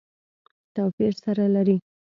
توپیر سره لري.